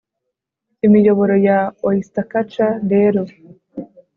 imiyoboro ya oystercatcher. rero